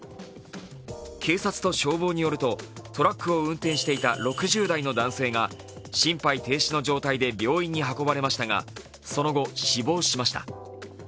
警察と消防によると、トラックを運転していた６０代の男性が心肺停止の状態で病院に運ばれましたがその後、死亡しました。